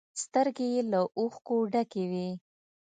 سترگې يې له اوښکو ډکې وې.